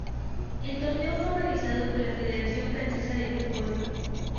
El torneo fue organizado por la Federación Francesa de Fútbol.